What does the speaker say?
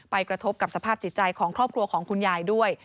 กระทบกับสภาพจิตใจของครอบครัวของคุณยายด้วย